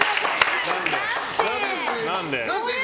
何で？